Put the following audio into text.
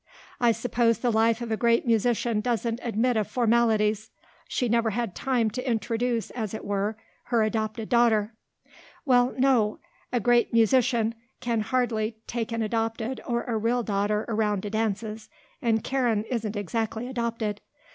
I suppose the life of a great musician doesn't admit of formalities. She never had time to introduce, as it were, her adopted daughter." "Well, no; a great musician could hardly take an adopted or a real daughter around to dances; and Karen isn't exactly adopted."